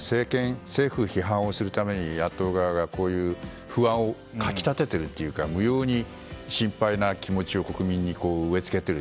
政府を批判するために野党側が不安を掻き立てているというか無用に心配な気持ちを国民に植え付けている。